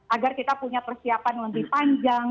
agar kita punya persiapan lebih panjang